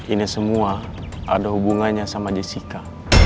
ini semua ada hubungannya sama jessica